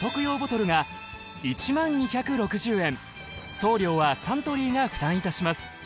送料はサントリーが負担いたします。